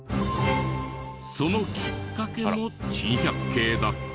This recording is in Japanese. そのきっかけも珍百景だった。